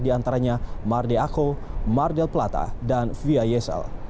di antaranya mar de ajo mar del plata dan via yesal